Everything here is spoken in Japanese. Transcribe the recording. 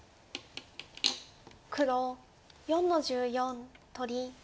黒４の十四取り。